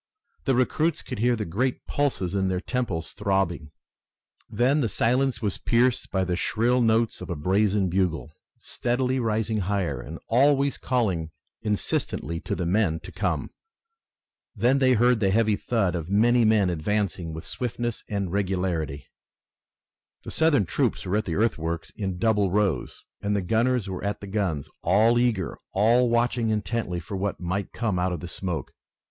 The recruits could hear the great pulses in their temples throbbing. Then the silence was pierced by the shrill notes of a brazen bugle, steadily rising higher and always calling insistently to the men to come. Then they heard the heavy thud of many men advancing with swiftness and regularity. The Southern troops were at the earthworks in double rows, and the gunners were at the guns, all eager, all watching intently for what might come out of the smoke.